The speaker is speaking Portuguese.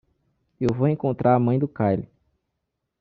Eu vou encontrar a mãe do Kyle.